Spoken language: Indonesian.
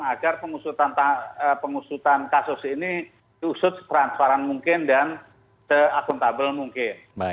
agar pengusutan kasus ini diusut setransparan mungkin dan se akuntabel mungkin